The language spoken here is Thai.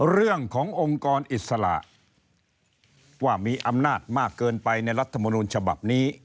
เรื่องขององค์กรอิสระว่ามีอำนาจมากเกินไปในรัฐมนุนฉบับนี้